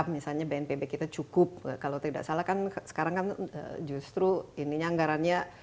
misalnya bnpb kita cukup kalau tidak salah kan sekarang kan justru ininya anggarannya